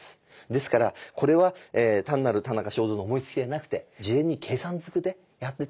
ですからこれは単なる田中正造の思いつきではなくて事前に計算ずくでやってたのかな。